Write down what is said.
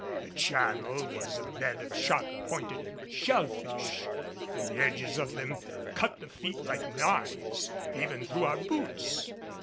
The channel was a bed of sharp pointed shell fish, and the edges of them cut the feet like knives even through our boots.